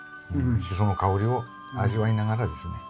シソの香りを味わいながらですね